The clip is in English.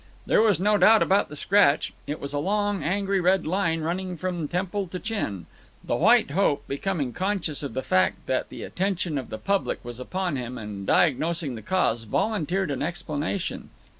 There was no doubt about the scratch. It was a long, angry red line running from temple to chin. The White Hope, becoming conscious of the fact that the attention of the public was upon him, and diagnosing the cause, volunteered an explanation.